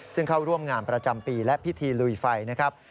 ซึ่งเข้าร่วมงานประจำปีและพิธีลุยไฟนะครับ